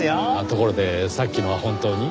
ところでさっきのは本当に？